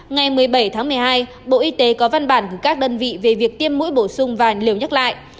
ngày một mươi bảy tháng một mươi hai bộ y tế có văn bản gửi các đơn vị về việc tiêm mũi bổ sung và liều nhắc lại